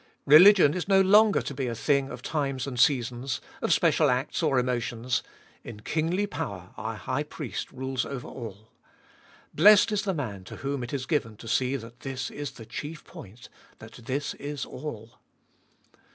Religion is no longer to be a thing of times and seasons, of special acts or emo tions : in kingly power our High Priest rules over all. Blessed is the man to whom it is given to see that this is the chief point, that this is all.